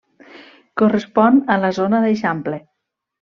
Correspon a la zona d'eixample.